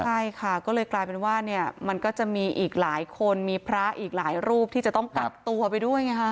ใช่ค่ะก็เลยกลายเป็นว่าเนี่ยมันก็จะมีอีกหลายคนมีพระอีกหลายรูปที่จะต้องกักตัวไปด้วยไงฮะ